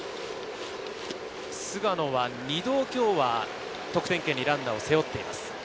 菅野は２度、今日は得点圏にランナーを背負っています。